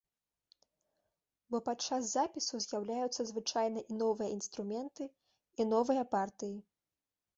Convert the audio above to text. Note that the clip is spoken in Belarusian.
Бо падчас запісу з'яўляюцца звычайна і новыя інструменты, і новыя партыі.